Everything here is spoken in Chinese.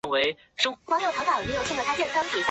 新埤里是中华民国台湾嘉义县太保市辖下的行政区。